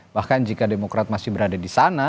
bahkan jika demokrat masih berada di sana